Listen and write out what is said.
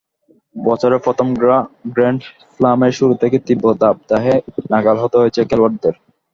বছরের প্রথম গ্র্যান্ড স্লামের শুরু থেকেই তীব্র দাবদাহে নাকাল হতে হয়েছে খেলোয়াড়দের।